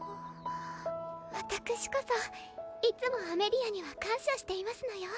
私こそいつもアメリアには感謝していますのよ